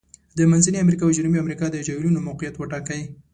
د منځني امریکا او جنوبي امریکا د جهیلونو موقعیت وټاکئ.